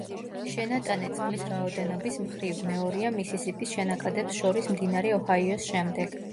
შენატანი წყლის რაოდენობის მხრივ, მეორეა მისისიპის შენაკადებს შორის მდინარე ოჰაიოს შემდეგ.